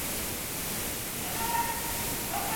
پروفیسور تاناکا وايي لامبو د دماغ د وینې جریان زیاتوي.